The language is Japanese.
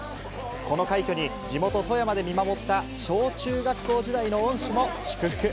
この快挙に、地元、富山で見守った小中学校時代の恩師も祝福。